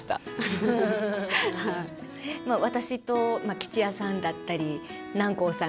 まあ私と吉弥さんだったり南光さん